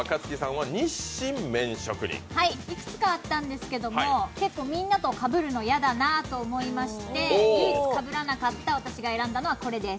いくつかあったんでけれども、みんなとかぶるの嫌だなと思いまして、唯一かぶらなかった私が選んだのはこれです。